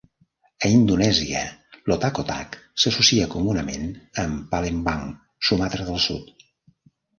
A Indonèsia, l'otak-otak s'associa comunament amb Palembang, Sumatra del Sud.